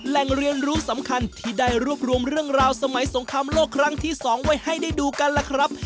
แหล่งเรียนรู้สำคัญที่ได้รวบรวมเรื่องราวสมัยสงครามโลกครั้งที่๒ไว้ให้ได้ดูกันล่ะครับ